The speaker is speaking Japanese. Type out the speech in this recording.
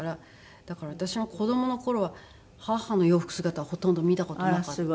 だから私も子どもの頃は母の洋服姿はほとんど見た事なかったですね。